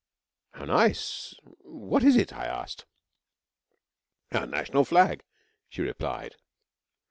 'How nice! What is it?' I asked. 'Our National Flag,' she replied.